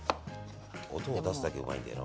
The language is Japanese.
音を出すだけうまいんだよな